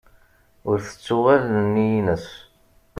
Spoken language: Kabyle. Ur tettuɣ allen-nni-ines.